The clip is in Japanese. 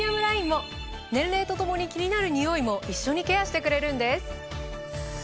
年齢とともに気になるニオイも一緒にケアしてくれるんです。